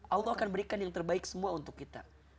allah akan berikan yang terbaik semua untuk kita